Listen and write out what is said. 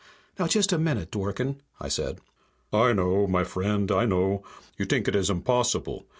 "Now, just a minute, Dworken," I said. "I know, my vriend. I know. You t'ink it is impossible.